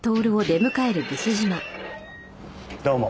どうも。